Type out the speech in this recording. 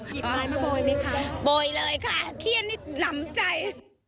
หยิบไซต์มาโบยไหมคะโบยเลยค่ะเคี้ยนี่หลำใจ